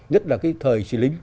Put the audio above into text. nhất là cái thời sĩ lính